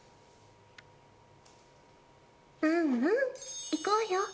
うんうん、行こうよ！